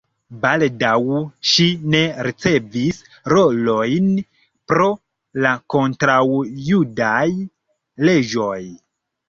Baldaŭ ŝi ne ricevis rolojn pro la kontraŭjudaj leĝoj.